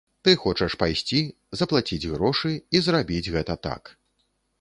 Ты хочаш пайсці, заплаціць грошы, і зрабіць гэта так.